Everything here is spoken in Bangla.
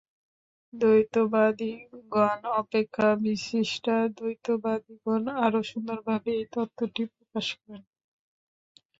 দ্বৈতবাদিগণ অপেক্ষা বিশিষ্টাদ্বৈতবাদিগণ আরও সুন্দরভাবে এই তত্ত্বটি প্রকাশ করেন।